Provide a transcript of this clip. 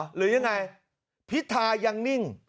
หรือยังไงพิทายังนิ่ง